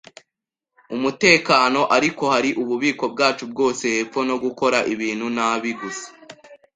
umutekano. Ariko hari ububiko bwacu bwose hepfo, no gukora ibintu nabi, gusa